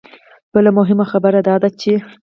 بله مهمه خبره دا ده چې